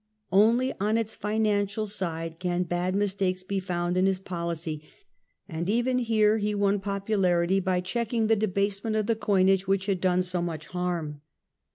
Only on its financial side can bad mistakes be found in his policy ; and even here he won popularity by checking the debasement of the coinage which had done so much harm.